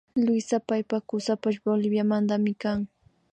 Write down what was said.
Luisa paypak kusapash Boliviamantami kan